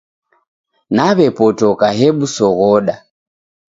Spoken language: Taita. Naw'epotoka hebu soghoda